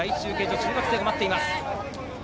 中学生が待っています。